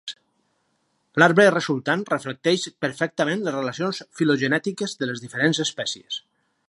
L'arbre resultant reflecteix perfectament les relacions filogenètiques de les diferents espècies.